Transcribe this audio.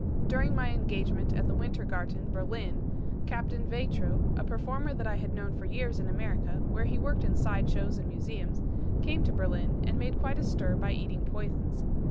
During my engagement at the Winter Garten, Berlin, Captain Veitro, a performer that I had known for years in America, where he worked in side shows and museums, came to Berlin and made quite a stir by eating poisons.